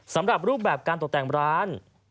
สำหรับรูปแบบการตกแต่งร้าน